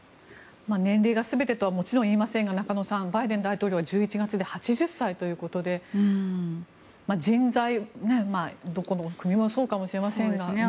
年齢が全てとはもちろん言いませんが中野さん、バイデン大統領は１１月で８０歳ということで人材、どこの国もそうかもしれませんが。